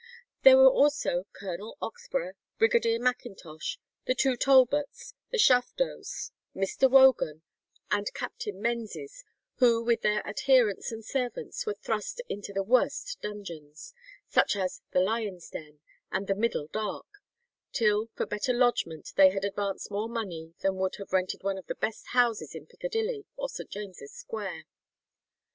There were also Colonel Oxborough, Brigadier Macintosh, the two Talbots, the Shaftos, Mr. Wogan, and Captain Menzies, who with their adherents and servants were thrust into the worst dungeons,—such as "the lion's den" and the "middle dark,"—till for better lodgment they had advanced more money than would have rented one of the best houses in Piccadilly or St. James's Square.